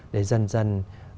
để dần dần